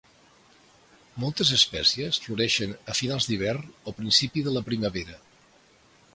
Moltes espècies floreixen a finals d'hivern o principi de la primavera.